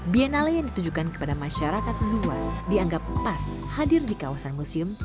biennale yang ditujukan kepada masyarakat luas dianggap pas hadir di kawasan museum